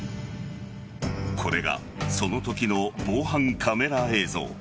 これがそのときの防犯カメラ映像。